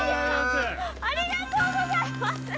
◆ありがとうございます。